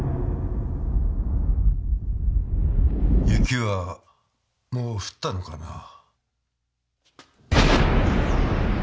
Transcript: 雪はもう降ったのかな？